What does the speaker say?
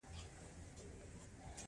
هغوی یوځای د خوښ ستوري له لارې سفر پیل کړ.